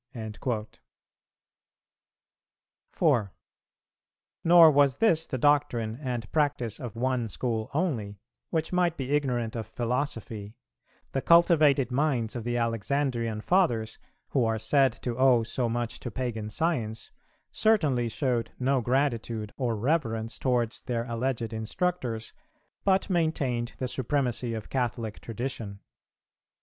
"[349:1] 4. Nor was this the doctrine and practice of one school only, which might be ignorant of philosophy; the cultivated minds of the Alexandrian Fathers, who are said to owe so much to Pagan science, certainly showed no gratitude or reverence towards their alleged instructors, but maintained the supremacy of Catholic Tradition.